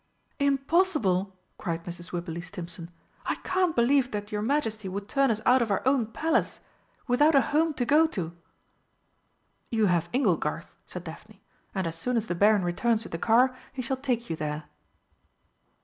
"Impossible?" cried Mrs. Wibberley Stimpson. "I can't believe that your Majesty would turn us out of our own Palace, without a home to go to!" "You have 'Inglegarth,'" said Daphne, "and as soon as the Baron returns with the car he shall take you there."